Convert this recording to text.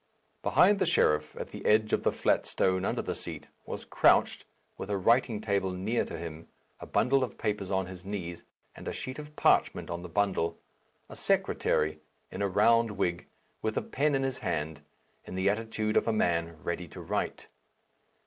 Behind the sheriff, at the edge of the flat stone under the seat, was crouched with a writing table near to him, a bundle of papers on his knees, and a sheet of parchment on the bundle a secretary, in a round wig, with a pen in his hand, in the attitude of a man ready to write.